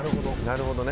なるほど。